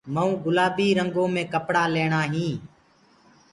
مئونٚ گُلآبي رنٚگو مي ڪپڙآ ليوو هي